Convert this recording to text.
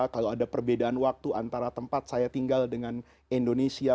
kalau ada perbedaan waktu antara tempat saya tinggal dengan indonesia